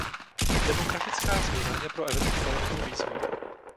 Demografická změna je pro Evropu velkou výzvou.